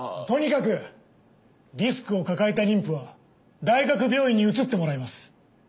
とにかくリスクを抱えた妊婦は大学病院に移ってもらいます。